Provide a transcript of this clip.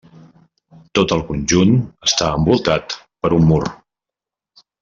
Tot el conjunt està envoltat per un mur.